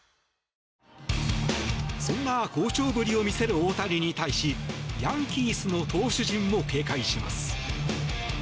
そんな好調ぶりを見せる大谷に対しヤンキースの投手陣も警戒します。